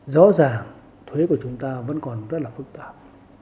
rõ ràng thuế của chúng ta vẫn còn rất là phức tạp